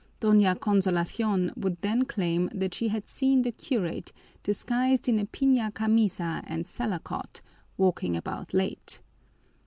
Doña Consolacion would then claim that she had seen the curate, disguised in a piña camisa and salakot, walking about late.